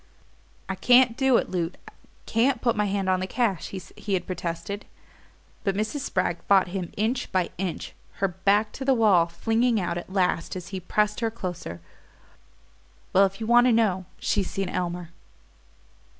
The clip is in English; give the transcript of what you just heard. "I can't do it, Loot can't put my hand on the cash," he had protested; but Mrs. Spragg fought him inch by inch, her back to the wall flinging out at last, as he pressed her closer: "Well, if you want to know, she's seen Elmer."